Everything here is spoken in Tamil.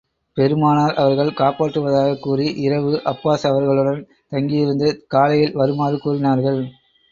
பெருமானார் அவர்கள் காப்பாற்றுவதாகக் கூறி, இரவு அப்பாஸ் அவர்களுடன் தங்கியிருந்து, காலையில் வருமாறு கூறினார்கள்.